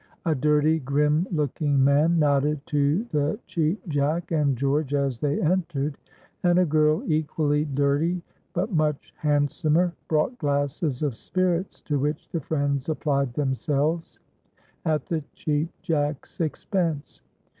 A dirty, grim looking man nodded to the Cheap Jack and George as they entered, and a girl equally dirty, but much handsomer, brought glasses of spirits, to which the friends applied themselves, at the Cheap Jack's expense.